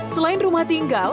selain rumah tinggal